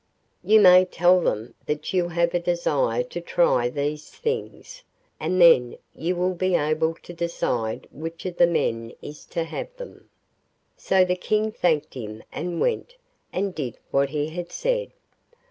You may tell them that you have a desire to try these things, and then you will be able to decide which of the men is to have them.' So the King thanked him and went, and did what he had said.